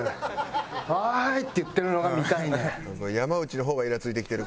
「おい！」って言ってるのが見たいねん。